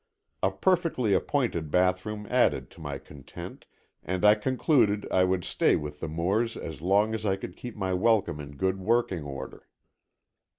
A perfectly appointed bathroom added to my content and I concluded I would stay with the Moores as long as I could keep my welcome in good working order.